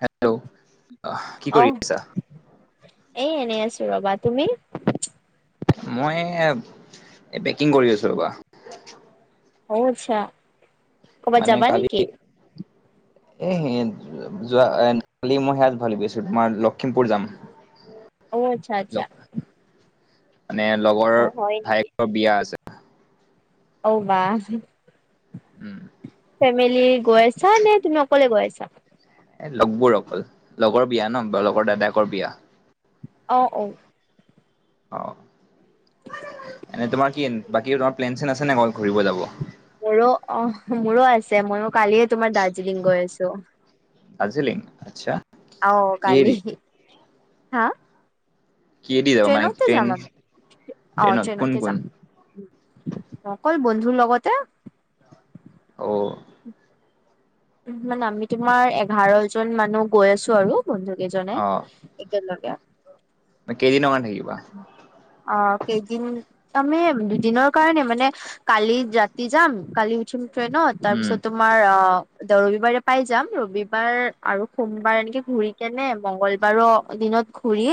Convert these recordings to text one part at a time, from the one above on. Hello, আহ কি কৰি আছা? এই এনেই আছো ৰবা, তুমি? মই এ পেকিং কৰি আছো ৰ'বা। অহ, আচছা ক'বাত মানে যাবা কালি নেকি? [inaudible] এ যোৱা কালি মই সে [unintelligible] তোমাৰ লখিমপুৰ যাম। অহ, আচ্ছা -আচ্ছা। লগ মানে লগৰ অ হয় ভায়েকৰ বিয়া আছে। অহ, বা উম ফেমিলি গৈ আছা নে তুমি অকলে গৈ আছা? এ লগবোৰ অকল লগৰ বিয়া ন' লগৰ দাদায়কৰ বিয়া। অহ - ঔ। অ এনে তোমাৰ কি বাকী তোমাৰ প্লেন চেন আছে নে ঘুৰিব যাব মোৰো অ মোৰো আছে মই ও কালিয়ে তোমাৰ দাৰ্জিলিং গৈ আছো। দাৰ্জিলিং আচ্ছা অহ কালি, কিহেদি হা কিহেদি যাবা মানে ট্ৰেইনতে ট্ৰেইন যাম আমি অ ট্ৰেইনত কোন ট্ৰেইনতে কোন? যাম। অকল বন্ধুৰ লগতে ঔ উম মানে আমি তোমাৰ এঘাৰ জন মানুহ গৈ আছো আৰু বন্ধুকেইজনে একেলগে কেইদিন ৰ কাৰণে থাকিবা অ কেইদিন আমি দুদিনৰ কাৰণে মানে কালি ৰাতি যাম কালি উঠিম। ট্ৰেইনত উম, তাৰপিছত তোমাৰ অ ৰবিবাৰে পাই যাম ৰবিবাৰ আৰু সোমবাৰ এনেকে ঘূৰি কেনে মংগলবাৰৰ দিনা ঘূৰি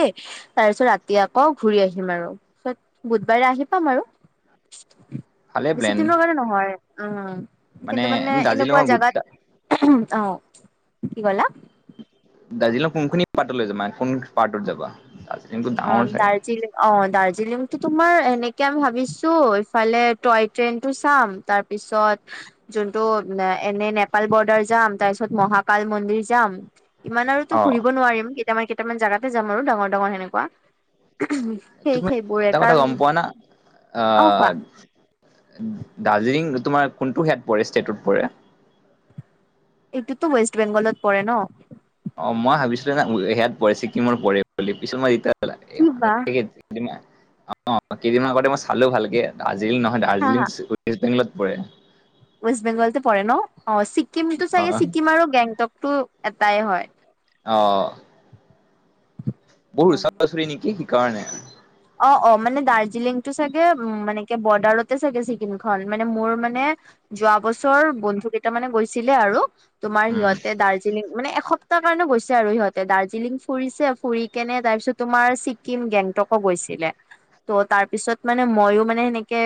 তাৰপিছত ৰাতি টি আকৌ ঘূৰি আহিম আৰু, পিছত বুধবাৰে আহি পাম আৰু ভালে বেছি প্লেন দিনৰ কাৰণে নহয় উম কিন্তু মানে এনেকুৱা দাৰ্জিলিঙৰ গো জাগাত, অ কি কলা? দাৰ্জিলিং কোনখনি পাৰ্ট লৈ যাবা কোন পাৰ্টত যাবা। দাৰ্জিলিংটো অ ডাঙৰ চাগে দাৰ্জিলিং অ দাৰ্জিলিং দাৰ্জিলিংটো তোমাৰ এনেকে আমি ভাবিছো ইফালে টয় ট্ৰেইনতটো চাম, তাৰপিছত যোনতটো এনে নেপাল বৰ্ডাৰ যাম, তাৰপিছত মহাকাল মন্দিৰ যাম। ইমান আৰু অ তো ঘূৰিব নোৱাৰিম কেইটামান কেইটামান জেগাতে যাম আৰু ডাঙৰ ডাঙৰ সেনেকুৱা। সেই তুমি সেইবোৰে এটা কথা কাৰণ গম পোৱা না, অ', আহ কোৱা দাৰ্জিলিং তোমাৰ কোনটো হয়াত পৰে ষ্টেটত পৰে এইটোুতো ৱেষ্ট বেংগলত পৰে নহ। অ মই ভাবিছিলো সেয়াত পৰে ছিক্কিমৰ পৰে বুলি পিছত মই যেতিয়া কি বা অ কেইদিনমান আগতে মই চালো ভালকে। দজিলং নহয় হা দাৰ্জিলিং হা ৱেষ্ট বেংগলত পৰে ৱেষ্ট বেংগলত পৰে ন অ ছিকিমটো অ চাগে ছিকিম আৰু গেংটক টো এটাই হয় অ বহুত হয়। ওচৰা-ওচৰি নেকি সি কাৰণে অ অ মানে দাৰ্জিলিং টো চাগে উ মানে কি বৰ্ডাৰতে চাগে ছিকিম খন মানে মোৰ মানে যোৱা বছৰ বন্ধু কেইটা মানে গৈছিলে আৰু তোমাৰ উম সিহঁতে দাৰ্জিলিং মানে এসপ্তাহ তাৰ কাৰণে গৈছে আৰু সিহঁতে দাৰ্জিলিং ফুৰিছে ফুৰি কেনে তাৰপিছত তোমাৰ ছিকিম গেংটক গৈছিলে। তো তাৰ পিছত মানে মইও মানে সেনেকে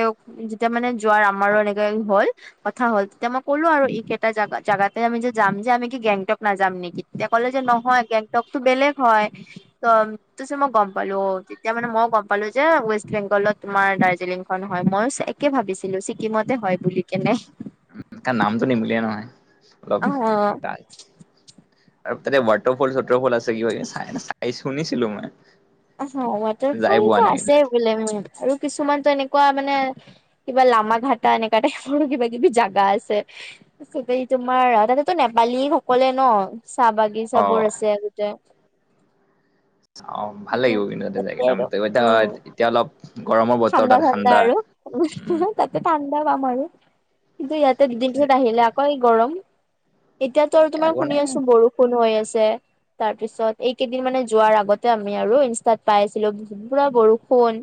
যেতিয়া মানে যোৱাৰ আমাৰো এনেকে হল কথা হ'ল তেতিয়া মই ক'লো আৰু ই কেইটা জা জেগাতে আমি যে যাম যে আমি কি গেংটক নাযাম নেকি নেকি তেতিয়া কলে যে নহয় গেংটকতো বেলেগ হয় ত ত মই গম পালো অ এতিয়া মানে মইও গম পালো যে ৱেষ্ট বেংগলত তোমাৰ দাৰ্জিলিংখন হয় মই একে ভাবিছিলো ছিকিমতে হয় বুলি কেনে ত নামটো নিমিলিয়ে নহয় অলপ অ দ আৰু তাতে ৱাটাৰফল চটৰফল আছে কি হয় চাই চাই শুনিছিলো মই আহ ৱাটাৰ যাই পোৱা ফলটো নাই আছে বোলে মোৰ আৰু কিছুমানতো এনেকুৱা মানে কিবা লামা ঘাটা এনেকুৱা টাইপৰো কিবা কিবি জাগা আছে তোমাৰ তাতেতো নেপালী সকলে ন চাহ অ বাগিচাবোৰ আছে গোতে অ ভাল লাগিব কিন্তু তাতে জাইকেনে আৰু উম এতিয়া এতিয়া অলপ গৰমৰ বতৰ তাত ঠাণ্ডা উম তাতে ঠাণ্ডা পাম আৰু কিন্তু ইয়াতে দুদিনটোত আহিলে আকৌ গৰম এতিয়াতো আৰু তোমাৰ আকৌ শুনি নে আছো বৰষুণো হৈ আছে তাৰ পিছত এইকেইদিন মানে যোৱাৰ আগত আমি আৰু ইনষ্টাত পাই আছিলো পুৰা বৰষুণ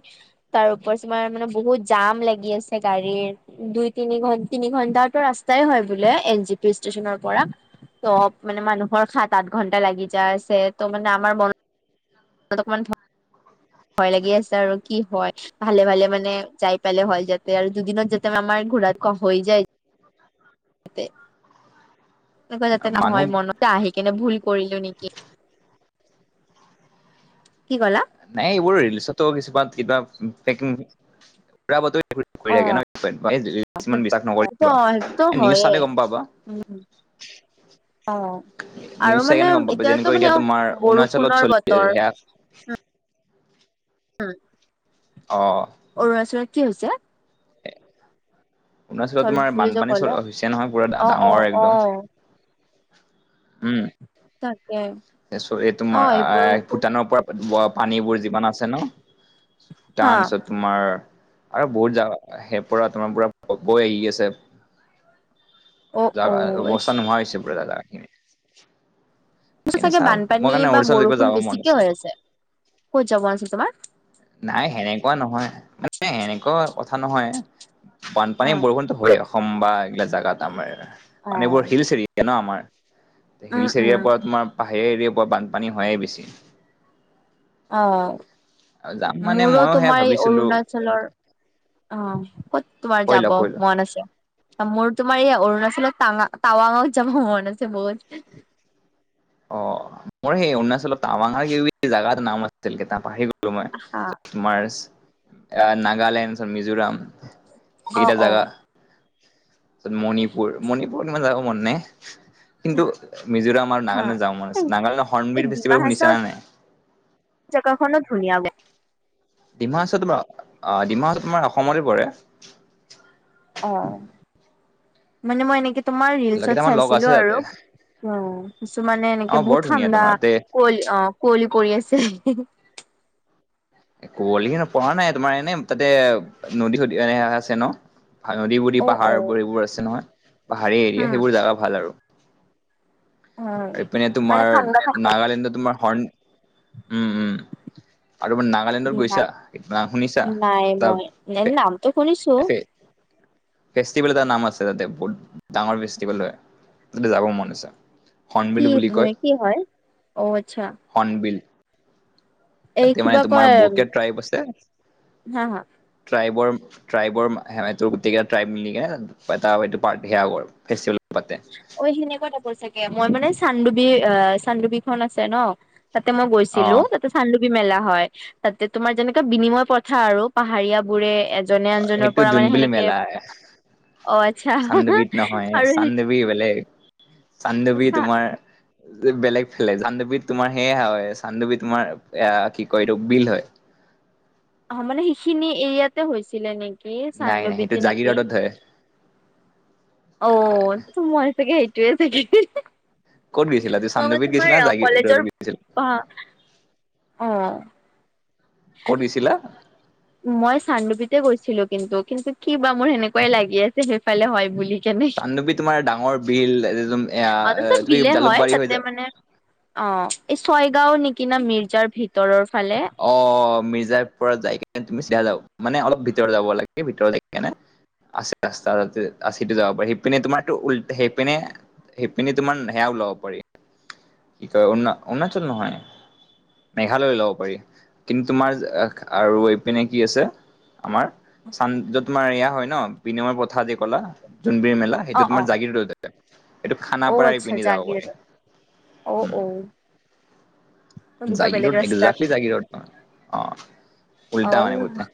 তাৰ ওপৰত তোমাৰ মানে বহুত জাম ভিৰ লাগি আছে গাড়ীৰ দুই তিনিঘণ্টা টো ৰাস্তাই হয় বোলে এনে জি পি ষ্টেচনৰ পৰা পৰা। তো মানে মানুহৰ সাত-আঠ ঘন্টা লাগি যাই আছে, তো মানে আমাৰ মন তাত অকমান ভয় লাগি আছে আৰু কি হয়, ভালে - ভালে মানে যাই পালে হ'ল যাতে, আৰু দুদিনত যাতে আমাৰ আৰ ঘুৰাটো কম হৈ যায়। অ এতে। এনেকুৱা যাতে মানুহ নহয়, মনতে আহি কেনে ভুল কৰিলো নেকি? কি ক'লা? নাই, এইবোৰ ৰিলিচতো কিছুমান কিবা বেকিং- উৰাবাতৰি এইবোৰ ঘূৰি অ'। থাকে ন' [unintelligible] কিছুমান বিশাস সেইটো নকৰিবা। অ সেইটো নিউজ হয়ে চালে গম পাবা। উম - উম। [unintelligible] অ'। আৰু নিউজ মানে চাইকেনে গম পাবা, এতিয়াতো যেনেকৈ মানে এতিয়া তোমাৰ অৰুণাচলত বৰষুণৰ চলি বতৰ সেয়া উম, অ অৰুণাচলত কি হৈছে? অৰুণাচলত চল তোমাৰ বুলি যে বানপানী চল- ক'লা হৈছে নহয়, পুৰা ডা- অ অ ডাঙৰ অ একদম। উম। তাকে এ ছো এই তোমাৰ এইবোৰ অ'- কিন্তু ভূটানৰ পৰা বোৱা পানীবোৰ যিমান আছে ন' হা টান আছে তোমাৰ আৰু বহুত যা- সেইপৰা তোমাৰ পুৰা বৈ আহি আছে। অ অ জাগা- অৱস্থা নোহোৱা হৈছে পুৰা জাগাখিনি। পিছে এনে চাগে চাও মই বানপানী কাৰণে বা অৰুণাচল বৰষুণ যাব মন বেছিকে আছিল হৈ আছে। ক'ত যাব আছিল তোমাৰ? নাই, সেনেকুৱা নহয়। মানে সেনেকুৱা কথা নহয়। বানপানী অ বৰষুণতো হয়ে অসম বা এইগিলা জেগাত আমাৰ। অ মানে এইবোৰ হিলছ এৰিয়া ন' আমাৰ। তে উম হিলছ উম এৰিয়াৰ পৰা তোমাৰ পাহাৰীয়া এৰিয়াৰ পৰা বানপানী হয়ে বেছি। যাম অ'। মানে মোৰো ময়ো সেয়া তোমাৰ এই ভাবিছিলো অৰুণাচলৰ অ' ক'ত তোমাৰ কৈ লোৱা যাব কৈ লোৱা মন আছে? মোৰ তোমাৰ এই অৰু ণাচলত টাঙা- টাৱাঙত যাব মন আছে বহুত। অ' মোৰ সেই অৰুণাচলত টাৱাঙ [unintelligible] জাগাৰ নাম আছিল কেটা, পা তোমাৰ আহা তোমাৰছ এ নাগালেণ্ডছ মিজোৰাম অ সেইকেটা অ জাগা তাৰছত মণিপুৰ। মণিপুৰ ইমান যাব মন নে। কিন্তু মিজোৰাম আৰু হা নাগালেণ্ড যাৱ মন আছে। নাগালেণ্ডৰ এই হৰ্নবিলৰ ডিমা ফেষ্টিভেল শুনিছা হাচাও নে নাই? জেগাখনো ধুনীয়া বোলে ডিমা হাচ- তোমাৰ- অ'- ডিমা হাচা তোমাৰ অসমতে পৰে। অ'। মানে মই এনেকে তোমাৰ ৰিলছত কেইটামান লগ আছে চাইছিলোঁ আৰু। তাতে অ' কিছুমানে অ এনেকে বৰ বহুত ধুনীয়া ঠাণ্ডা, তোমাৰ তাতে কুঁৱলী অ' কুঁৱলী কৰি আছে। এ কুঁৱলী হে পৰা নাই তোমাৰ, এনে তাতে নদী-সদি এনে আছে ন' ভা- নদী-বুদী অ অ পাহাৰবোৰ এইবোৰ আছে নহয়, পাহাৰী এৰিয়া, উম সেইবোৰ জাগা ভাল আৰু। উম এইপিনে মানে তোমাৰ ঠাণ্ডা থাকে নাগালেণ্ডৰ তোমাৰ হৰ্ণ- উম - উম। আৰু মানে নাগালেণ্ডত গৈছা? না শুনিছা? নাই তা মই তে নামটো শুনিছো [unintelligible] ফেষ্টিভেল এটা নাম আছে তাতে, বহুত ডাঙৰ ফেষ্টিভেল হয়। তাতে যাব মন আছে। হৰ্নবিল কি বুলি কয়। কি হয় অ আচ্ছা হৰ্নবিল। এই তাতে মানে কিবা তোমাৰ কয় বহুতকে ট্ৰাইব আছে। হা হা ট্ৰাইবৰ- ট্ৰাইবৰ সেয়াটো গোটেইকেটা ট্ৰাইব মিলিকেনে এটা এইটো পাৰ্টি সেয়া আক' ফেষ্টিভেল পাতে অ' এখিনিয়ে [unintelligible] চাগে, মই মানে চানডুবি- অ' চানডুবিখন আছে ন' তাতে মই অ গৈছিলোঁ। তাতে চান্ যি মেলা হয়, তাতে তোমাৰ যেনেকুৱা বিনিময় প্ৰথা আৰু, পাহাৰীয়াবোৰে এজনে আনজনৰ সেইটো পৰা মানে জোনবিল মেলা সেনেকে- অ' আচ্ছা, আৰু বি বেলেগ। চানডুবি চা তোমাৰ বেলেগ ফেলে চানডোবি তোমাৰ সেয়া হয় চানডোবি তোমাৰ এ কি কয় এইটো বিল হয়। উ অ মানে সেইখিনি এৰিয়াতে হৈছিলে নেকি নাই নাই সেইটো চানডোবিতে নেকি জাগিৰদত হয়। অঔ তোমই। চাগে সেইটোৱে যে ক'ত গৈছিলা তুমি মই মানে চান্দৱীত গৈছিলা তোমাৰ নে অ জাগিৰদত কলেজৰ গৈছিলা পঢ়া অ। কত দিছিলা মই চানডোবিতে গৈছিলো কিন্তু কিন্তু কি বা মোৰ সেনেকুৱাই লাগি আছে সেইফালে হয় বুলি। কেনে চান্দৱী তোমাৰ ডাঙৰ বিল অতত তুমি বিলে হয় জালুকবাৰী হৈ তাতে যা মানে অ এই ছয়গাঁও নেকি না মিৰ্জাৰ ভিতৰৰ ফালে অ মিৰ্জা পুৰত যায় কি তুমি চিয়া যাও মানে অলপ ভিতৰত যাব লাগে ভিতৰত [unintelligible] আছে ৰাস্তা আছেটো যাব পাৰি সেইপিনে তোমাৰটো উল সেইপিনে। হেপিনে তোমাৰ সেয়াওলাব পাৰি কি কয় অৰুণা অৰুণাচল নহয়। মেঘালয় লব পাৰি কিন্তু তোমাৰ আৰু এইপিনে কি আছে আমাৰ চান তোমাৰ এয়া হয় ন বিনিময় পথাদি কলা। যোন বিল মেলাই এইটো তোমাৰ জাগিৰোদতে অঔ আচ্ছা জগিৰোদত ঔ ঔ জাগিৰোদ এদজাক্লি জাগিৰোড অ উলটা মনে উটা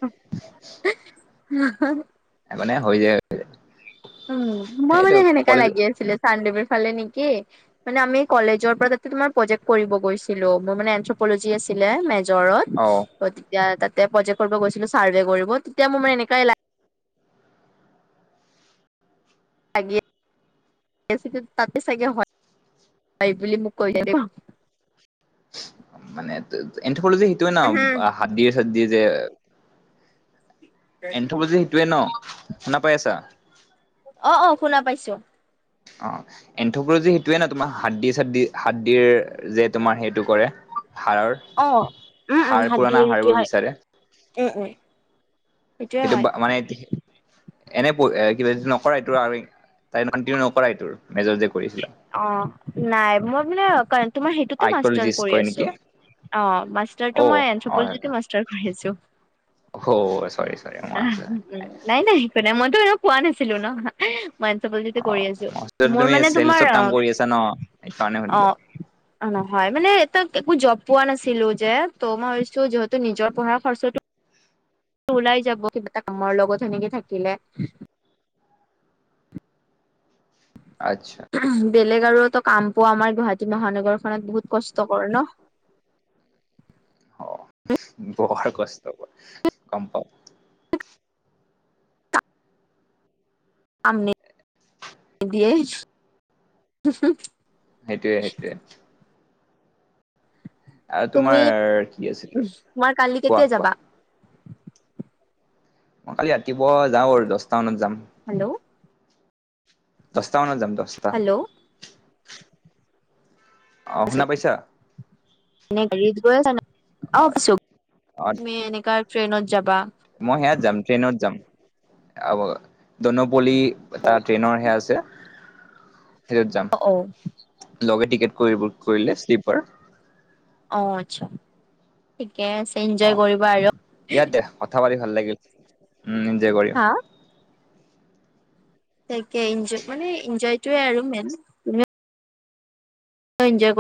উ মানে হৈ যায়। উম মই সেইটো মানে সেনেকা কলেজ লাগি আছিলে চানডুমিৰ ফালে নেকি কি মানে আমি কলেজৰ পৰা তাতে তোমাৰ প্ৰজেক্ট কৰিব গৈছিলো মোৰ মানে এন্থ্ৰপলজি আছিলে জ্বৰত অ তেতিয়া তাত। তেতিয়া প্ৰজেক্ট কৰিব গৈছিলো ছাৰ্ভে কৰিব তেতিয়া মোৰ মান এনেকুৱাই লাগ লাগে তাতে চাগে হয় হয় বুলি মোক কৈলে। মানে এনথপলজি সেইটোৱে ন উম হাত দিয়ে চাত দিয়ে যে এন্থপজি সেইটোৱে ন শুনা পাই আছা অ অ শুনা পাইছো। অ এন্থপলজি সেইটোৱে ন তোমাৰ হাত দি চ হাতদিৰ যে তোমাৰ সেইটো কৰে। হাড়ৰ অ হাৰ পুৰণা হাড়বোৰ বিচাৰে উ উ সেইটো বা মানে এনে এ কিবা যটো নকৰাটো আৰু তাই [unintelligible] নকৰাই তোৰ মেজৰ কৰিছিলা অ নাই মই মানে তোমাৰ সেইটোতে মাষ্টাৰ আৰ্কিঅলজিষ্ট কৰি কয় আছো। নেকি অ মাষ্টাৰটো অ মই হয় এনথপলিজিটো মাষ্টাৰ কৰি আছো। অ চৰি চৰি উ মই নাই নাই একো নাই মই পোৱা নাছিলো ন। এনথপলিজিতে অ কৰি আছো। মইত মোৰ তুমি মানে তোমাৰ তোমাৰ চেলচত কাম কৰি আছা ন সেইকাৰণে সুধিলো অ নহয়। মানে তাত একো জ্বব পোৱা নাছিলো যে ত' মই ভাবিছো যিহেতু নিজৰ পঢ়া খৰচটো ওলাই যাব কিবা এটা কামৰ লগত সেনেকে থাকিলে আচ্ছা বেলেগ আৰুত কাম পোৱা আমাৰ গুৱাহাটী মহানগৰ খত বহুত কষ্টকৰ ন অ বৰ কষ্ট গম পাওঁ কাম নিদিয়ে সেইটোৱে সেইটোৱে তোমাৰ তুমি কি আছিলো তোমাৰ কালি কোৱা কেতিয়া কোৱা যাবা? ম কালি ৰাতিপুৱা যাওঁ আৰু দহটা মানত যাম। হেল্লো' দহটা মানত যাম দহটা। হেল্ল' অঁ শুনা পাইছা? এনে ঘ গৈ অছ অ ম এনেকা [unintelligible] মই সেয়াত যাম ট্ৰেইনত যাম [unintelligible] দনপলি অ তাৰ ট্ৰেইনৰহে আছে। সেইটোত যাম। অ লগে টিকেট কৰিব কৰিলে শ্লিপাৰ। অ আচ্ছা ঠিকে আছে এনজয় অ কৰিবা আৰু। ইয়াতে কথা পাতি ভাল লাগিল উ ইনজয় কৰিম। হা তাকে এনজয় মানে এনজয়টোৱে আৰু মেইন। এনজয়